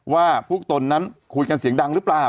ว่าพวกตนนั้นคุยกันเสียงดังหรือเปล่า